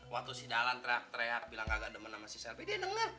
waktu si dalan teriak teriak bilang kagak demen sama si servi dia dengar